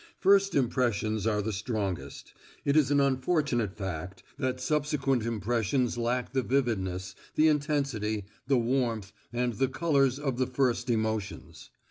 First impressions are the strongest. It is an unfortunate fact that subsequent impressions lack the vividness, the intensity, the warmth, and the colours of the first emotions.